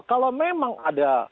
kalau memang ada